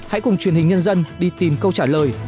hãy cùng truyền hình nhân dân đi tìm câu trả lời